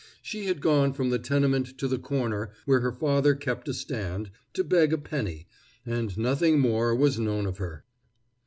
She had gone from the tenement to the corner where her father kept a stand, to beg a penny, and nothing more was known of her.